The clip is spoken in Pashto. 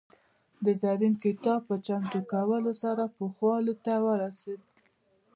د زرین کتاب په چمتو کولو سره پوخوالي ته ورسېد.